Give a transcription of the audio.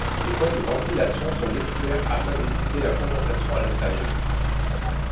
Des points de ventilations sont nécessaires afin d'éviter la condensation à l'intérieur.